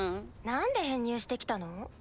なんで編入してきたの？